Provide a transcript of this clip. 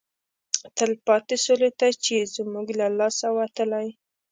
تلپاتې سولې ته چې زموږ له لاسه وتلی